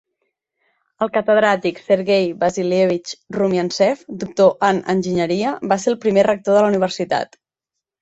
El catedràtic Sergey Vasilievich Rumiantsev, Doctor en enginyeria, va ser el primer rector de la universitat.